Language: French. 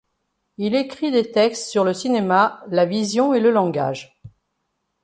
Il écrit des textes sur le cinéma, la vision et le langage.